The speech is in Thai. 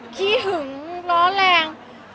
ขี้หึงร้อนแรง